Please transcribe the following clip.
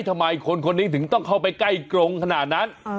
ทำไมคนคนนี้ถึงต้องเข้าไปใกล้กรงขนาดนั้น